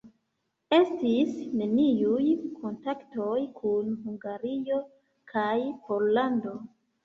Estis neniuj kontaktoj kun Hungario kaj Pollando.